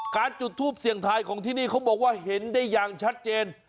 จุดทูปเสียงทายของที่นี่เขาบอกว่าเห็นได้อย่างชัดเจน